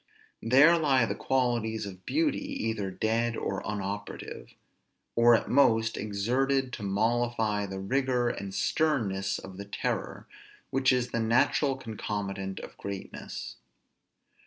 There lie the qualities of beauty either dead or unoperative; or at most exerted to mollify the rigor and sternness of the terror, which is the natural concomitant of greatness.